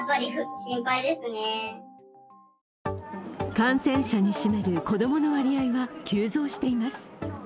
感染者に占める子供の割合は急増しています。